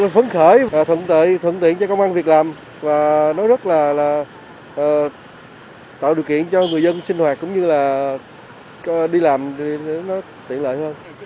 phấn khởi thuận tiện cho công an việc làm và nó rất là tạo điều kiện cho người dân sinh hoạt cũng như là đi làm thì nó tiện lợi hơn